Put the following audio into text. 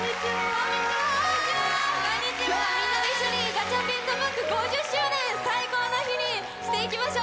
今日はみんなで一緒にガチャピンとムック５０周年最高の日にしていきましょう。